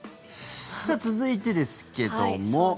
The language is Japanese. さあ、続いてですけども。